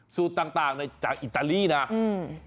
สูตรต่างจากอิตาลีนะครับ